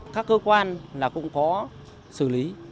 các cơ quan là cũng có xử lý